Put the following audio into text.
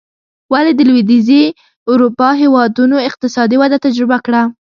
ولې د لوېدیځې اروپا هېوادونو اقتصادي وده تجربه کړه.